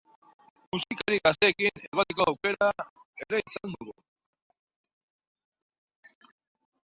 Musikari gazteekin egoteko aukera ere izan dugu.